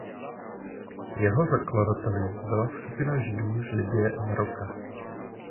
Jeho zakladateli byla skupina Židů z Libye a Maroka.